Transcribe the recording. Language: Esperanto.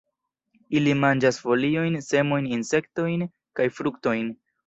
Ili manĝas foliojn, semojn, insektojn kaj fruktojn.